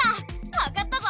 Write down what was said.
わかったぞ！